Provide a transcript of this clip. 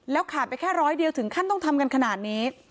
ขาดไปแค่ร้อยเดียวถึงขั้นต้องทำกันขนาดนี้